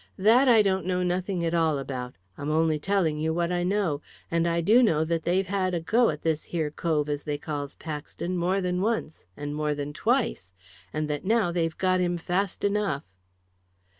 "That I don't know nothing at all about; I'm only telling you what I know. And I do know that they've had a go at this here cove as they calls Paxton more than once, and more than twice, and that now they've got him fast enough."